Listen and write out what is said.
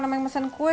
sama yang mesen kue